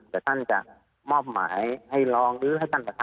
แต่ท่านจะมอบหมายให้รองหรือให้ท่านประธาน